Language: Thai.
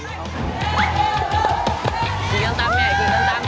มาอีกนับ